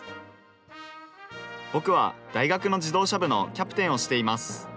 僕は、大学の自動車部のキャプテンをしています。